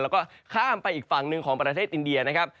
แล้วก็ข้ามไปอีกฝั่งหนึ่งของประเทศอินเดียนะครับ